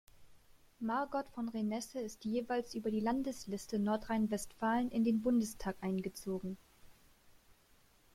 Margot von Renesse ist jeweils über die Landesliste Nordrhein-Westfalen in den Bundestag eingezogen.